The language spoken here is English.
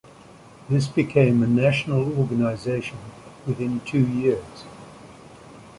This became a national organization within two years.